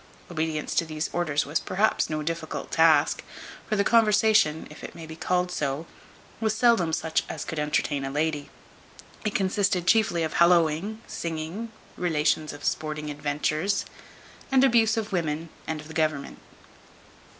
Obedience to these orders was perhaps no difficult task; for the conversation (if it may be called so) was seldom such as could entertain a lady. It consisted chiefly of hallowing, singing, relations of sporting adventures, b d y, and abuse of women, and of the government.